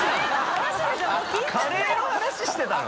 カレーの話してたの？